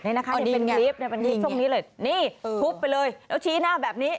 นี่นะคะนี่เป็นคลิปเป็นคลิปช่วงนี้เลยนี่ทุบไปเลยแล้วชี้หน้าแบบนี้